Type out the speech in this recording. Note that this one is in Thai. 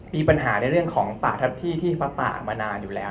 มีปัญหาในเรื่องของป่าทัพที่ที่ฟ้าป่ามานานอยู่แล้ว